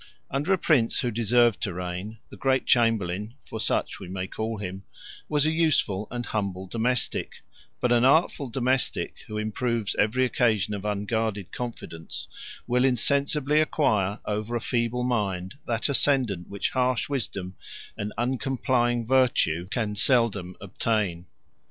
Under a prince who deserved to reign, the great chamberlain (for such we may call him) was a useful and humble domestic; but an artful domestic, who improves every occasion of unguarded confidence, will insensibly acquire over a feeble mind that ascendant which harsh wisdom and uncomplying virtue can seldom obtain.